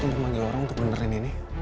untuk manggil orang untuk benerin ini